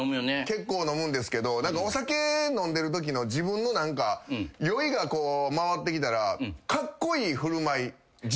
結構飲むんですけどお酒飲んでるときの自分の酔いが回ってきたら。